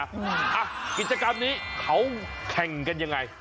อ่ะกิจกรรมนี้เขาแข่งกันยังไง